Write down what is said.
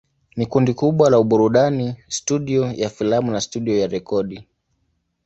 Ni kundi kubwa la burudani, studio ya filamu na studio ya rekodi.